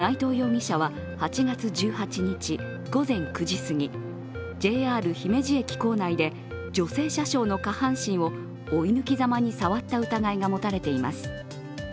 警察によると、内藤容疑者は８月１８日午前９時すぎＪＲ姫路駅構内で女性車掌の下半身を追い抜きざまに触った疑いが持たれています。